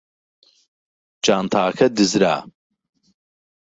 جانتاکە دزرا.